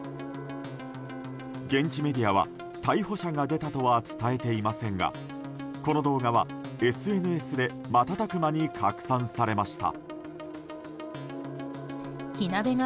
現地メディアは逮捕者が出たとは伝えていませんがこの動画はＳＮＳで瞬く間に拡散されました。